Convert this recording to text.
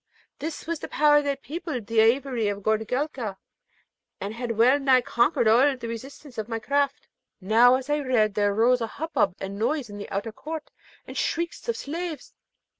This was the power that peopled the aviary of Goorelka, and had well nigh conquered all the resistance of my craft. Now, while I read there arose a hubbub and noise in the outer court, and shrieks of slaves.